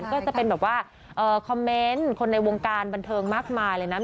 ก็จะเป็นแบบว่าคอมเมนต์คนในวงการบันเทิงมากมายเลยนะ